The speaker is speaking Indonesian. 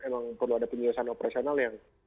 emang perlu ada penyelesaian operasional yang